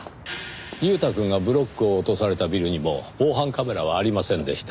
裕太くんがブロックを落とされたビルにも防犯カメラはありませんでした。